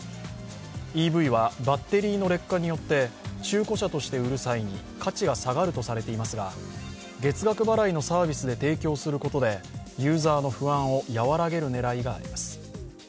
ＥＶはバッテリーの劣化によって中古車として売る際に価値が下がるとされていますが、月額払いのサービスで提供することでユーザーの不安を和らげる狙いがあります。